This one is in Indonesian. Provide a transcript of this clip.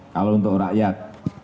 kalau untuk rakyat